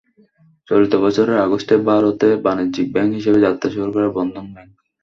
চলতি বছরের আগস্টে ভারতে বাণিজ্যিক ব্যাংক হিসেবে যাত্রা শুরু করে বন্ধন ব্যাংক।